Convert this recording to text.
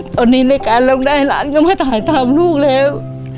ตอนนี้ในการร้องได้หลานก็มาถ่ายทำลูกแล้ว